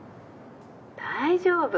大丈夫。